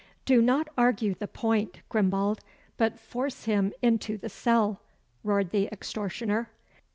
"Do not argue the point, Grimbald, but force him into the cell," roared the extortioner.